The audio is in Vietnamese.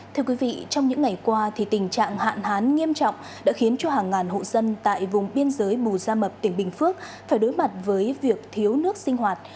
thưa quý vị trong những ngày qua thì tình trạng hạn hán nghiêm trọng đã khiến cho hàng ngàn hộ dân tại vùng biên giới mù gia mập tỉnh bình phước phải đối mặt với việc thiếu nước sinh hoạt